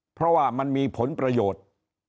เพราะว่ามันมีผลประโยชน์